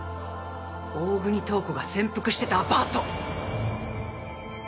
大國塔子が潜伏してたアパート！